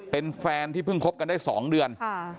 เป็นแฟนที่เพิ่งคบกันได้๒เดือน